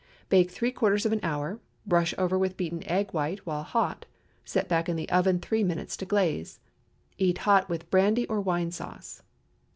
Bake three quarters of an hour, brush over with beaten egg while hot, set back in the oven three minutes to glaze. Eat hot with brandy or wine sauce.